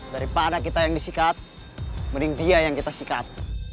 daripada kita yang disikat mending dia yang kita sikat